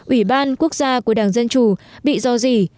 ủy ban quốc gia của đảng dân chủ bị do dỉ